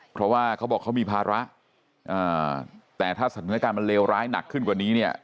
เพราะว่าเขาบอกเขามีภาระแต่ถ้าสถานการณ์มันเลวร้ายหนักขึ้นกว่านี้เนี่ย